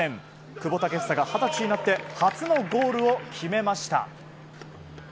久保建英が二十歳になって初のゴールを決めました。